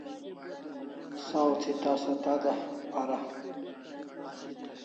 Saw thi tasa ta para